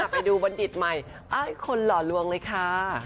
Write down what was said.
ไปดูบัณฑิตใหม่ป้ายคนหล่อลวงเลยค่ะ